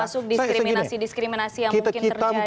termasuk diskriminasi diskriminasi yang mungkin terjadi